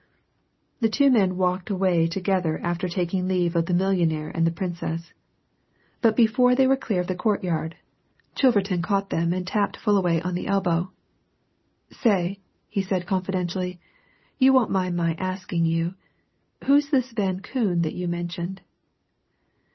The two men walked away together after taking leave of the millionaire and the Princess. But before they were clear of the courtyard, Chilverton caught them and tapped Fullaway on the elbow. "Say!" he said confidentially. "You won't mind my asking you who's this Van Koon that you mentioned?"